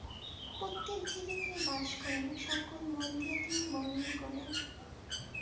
প্রত্যেক জীবে তিনি বাস করেন, সকল মন দিয়া তিনি মনন করেন।